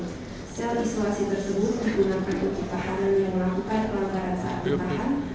setelah situasi tersebut digunakan untuk pertahanan yang melakukan pelanggaran saat ditahan